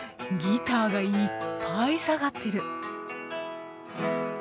ギターがいっぱい下がってる。